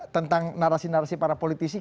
tentang narasi narasi para politisi